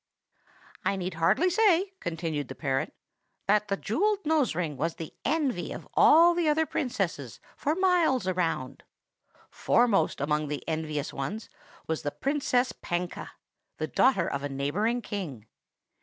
"I need hardly say," continued the parrot, "that the jewelled nose ring was the envy of all the other princesses for miles around. Foremost among the envious ones was the Princess Panka, the daughter of a neighboring king.